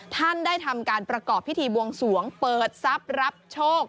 ท่านได้ทำการประกอบพิธีบวงสวงเปิดทรัพย์รับโชค